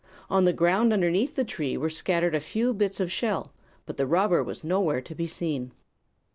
On the ground underneath the tree were scattered a few bits of shell; but the robber was nowhere to be seen.